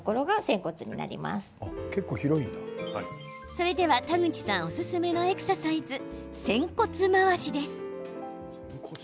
それでは、田口さんおすすめのエクササイズ、仙骨回しです。